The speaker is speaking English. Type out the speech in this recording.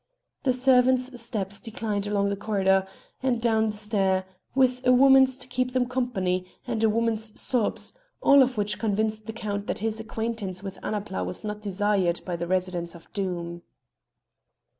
The servant's steps declined along the corridor and down the stair, with a woman's to keep them company and a woman's sobs, all of which convinced the Count that his acquaintance with Annapla was not desired by the residents of Doom.